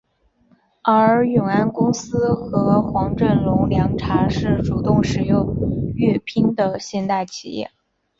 而永安公司和黄振龙凉茶是主动使用粤拼的现代企业。